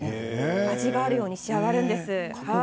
味があるように仕上がるんです。